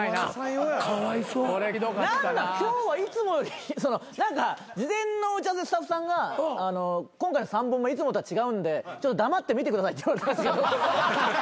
今日はいつもより事前の打ち合わせでスタッフさんが「今回の３本目いつもとは違うんで黙って見てください」って言われたんですけど。